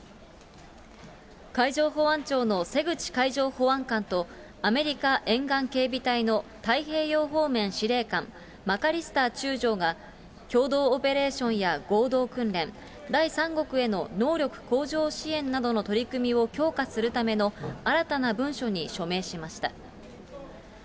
海上保安庁の瀬口海上保安監とアメリカ沿岸警備隊の太平洋方面司令官、マカリスタ中将が共同オペレーションや合同訓練、第三国への能力向上支援などの取り組みを強化するための新たな文書に署名しました。